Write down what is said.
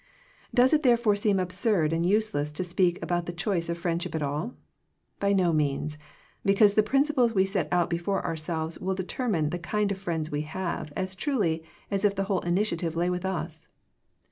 Does it therefore seem absurd and use« less to speak' about the choice of friend ship at all ? By no means, because the principles we set before ourselves will determine the kind of friends we have, as truly as if the whole initiative lay with us.